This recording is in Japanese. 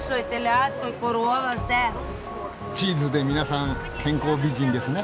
チーズで皆さん健康美人ですね？